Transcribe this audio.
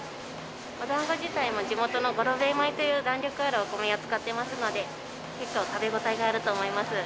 おだんご自体も地元の五郎兵衛米という弾力のあるお米を使っていますので結構食べ応えがあると思います。